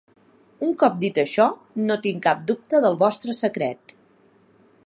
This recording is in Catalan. Un cop dit això, no tinc cap dubte del vostre secret.